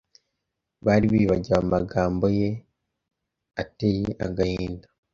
bari bibagiwe amagambo ye atcye agahinda,